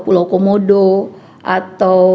pulau komodo atau